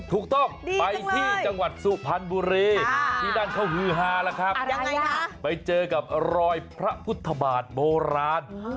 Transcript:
ถูกต้องไปที่จังหวัดสุพรรณบุรีที่นั่นเขาฮือฮาแล้วครับไปเจอกับรอยพระพุทธบาทโบราณ